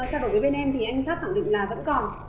hôm trước trao đổi với bên em thì anh pháp khẳng định là vẫn còn